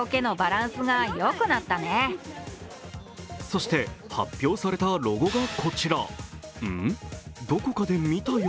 そして発表されたロゴがこちら。